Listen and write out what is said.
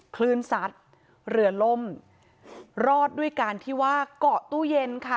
คลื่นซัดเรือล่มรอดด้วยการที่ว่าเกาะตู้เย็นค่ะ